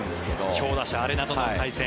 強打者アレナドとの対戦。